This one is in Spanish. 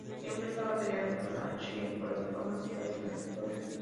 Siempre está batallando con Archie por las bromas que hacen en la escuela.